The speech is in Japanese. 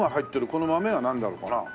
この豆はなんなのかな？